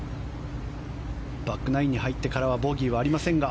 バックナインに入ってからはボギーはありませんが。